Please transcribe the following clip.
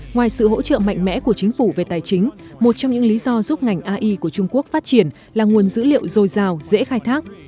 ngoài sự hỗ trợ mạnh mẽ của chính phủ về tài chính một trong những lý do giúp ngành ai của trung quốc phát triển là nguồn dữ liệu dồi dào dễ khai thác